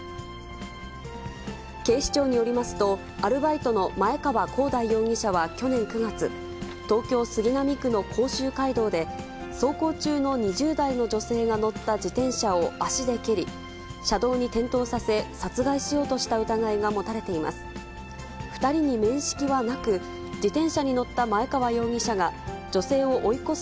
警視庁によりますと、アルバイトの前川晃大容疑者は去年９月、東京・杉並区の甲州街道で、走行中の２０代の女性が乗った自転車を足で蹴り、車道に転倒させ、殺害しようとした疑いが持たれています。